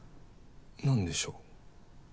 何でしょう？